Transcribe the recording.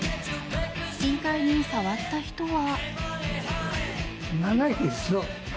金塊に触った人は。